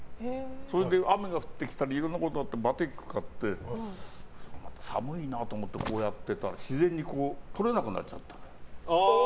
それで、雨が降ってきたりいろんなことがあってバティック買って寒いなと思ってこうやってたら自然にこう取れなくなっちゃって。